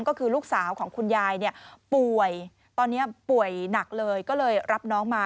ก็คือลูกสาวของคุณยายเนี่ยป่วยตอนนี้ป่วยหนักเลยก็เลยรับน้องมา